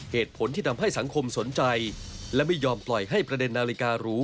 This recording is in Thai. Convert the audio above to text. เหตุผลที่ทำให้สังคมสนใจและไม่ยอมปล่อยให้ประเด็นนาฬิการู